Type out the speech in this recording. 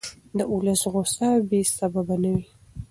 د ولس غوسه بې سببه نه وي